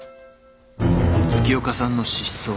［月岡さんの失踪。